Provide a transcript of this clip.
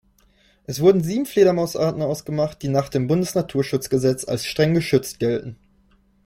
Es wurden sieben Fledermausarten ausgemacht, die nach dem Bundesnaturschutzgesetz als streng geschützt gelten.